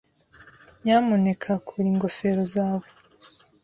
Nyamuneka kura ingofero zawe.